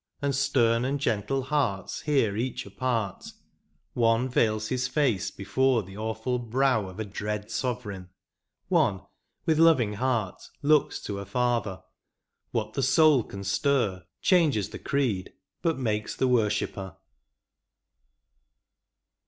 And stem and gentle hearts hear each a part ; One veils his face before the awful brow Of a dread sovereign ; one, with loving heart, Looks to a father; what the soul can stir Changes the creed, but makes the worshipper.